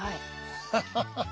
ハハハハハ。